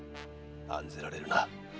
案ぜられるな。